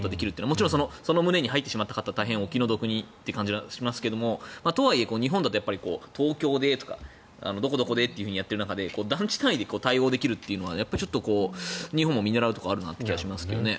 もちろんその棟に入ってしまった方は大変お気の毒という気がしますがとはいえ、日本だと東京でとか、どこどこでとかでやっている中で団地単位で対応できるというのは日本も見習うところがある気がしますね。